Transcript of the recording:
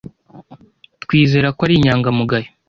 Twizera ko ari inyangamugayo.